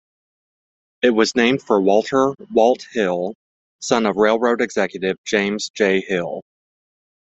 It was named for Walter "Walt" Hill, son of railroad executive James J. Hill.